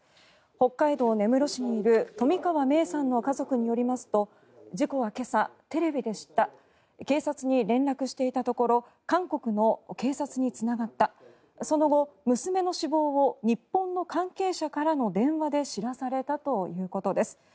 北海道根室市にいる冨川芽生さんの家族によりますと事故は今朝、テレビで知った警察に連絡していたところ韓国の警察につながったその後、娘の死亡を日本の関係者からの電話で知らされたということです。